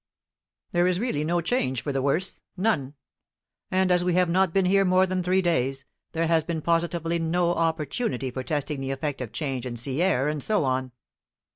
There is really no change for the worse, absolutely none; and as we have not been here more than three days, there has been positively no opportunity for testing the effect of change and sea air, and so on."